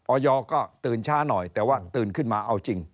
อยก็ตื่นช้าหน่อยแต่ว่าตื่นขึ้นมาเอาจริง